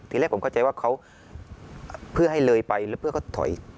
ทีแรกผมเข้าใจว่าเขาเพื่อให้เลยไปแล้วเพื่อเขาถอย